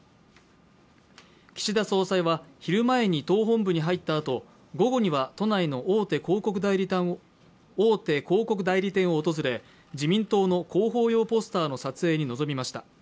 岸田総裁は昼前に党本部に入ったあと、午後には都内の大手広告代理店を訪れ、自民党の広報用ポスターの撮影に臨みました。